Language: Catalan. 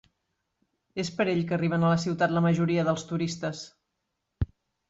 És per ell que arriben a la ciutat la majoria dels turistes.